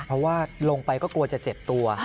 เพราะว่าลงไปก็กลัวจะเจ็บตัว